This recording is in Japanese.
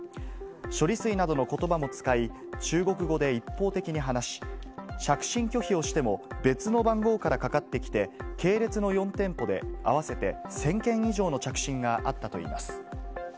ショリスイなどのことばも使い、中国語で一方的に話し、着信拒否をしても、別の番号からかかってきて、系列の４店舗で、合わせて１０００件以上の着信があったといいます。